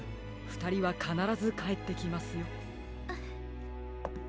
ふたりはかならずかえってきますよ。